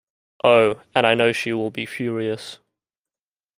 Oh, and I know she will be furious.